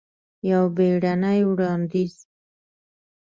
یو بیړنې وړاندیز!